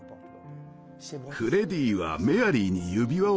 フレディはメアリーに指輪を贈り